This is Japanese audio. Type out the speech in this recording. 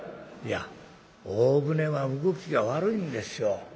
「いや大船は動きが悪いんですよ。